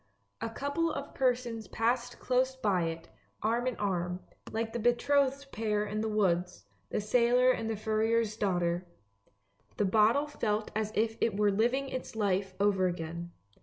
A couple of persons passed close by it, arm in arm, like the betrothed pair in the woods, the sailor and the furrier's daughter. The bottle felt as if it were living its life over again.